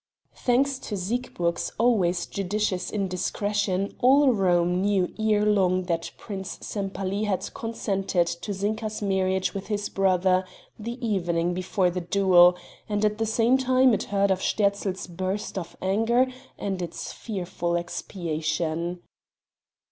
Thanks to Siegburg's always judicious indiscretion all Rome knew ere long that Prince Sempaly had consented to Zinka's marriage with his brother the evening before the duel, and at the same time it heard of Sterzl's burst of anger and its fearful expiation.